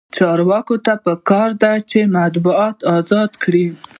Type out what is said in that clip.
چارواکو ته پکار ده چې، مطبوعات ازاد کړي.